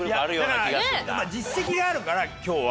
実績があるから今日は。